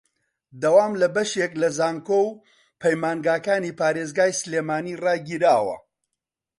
دەوام لە بەشێک لە زانکۆ و پەیمانگاکانی پارێزگای سلێمانی ڕاگیراوە